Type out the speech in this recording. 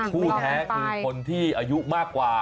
ผู้แท้คือคนที่อายุมากกว่า